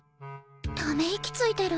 ため息ついてる。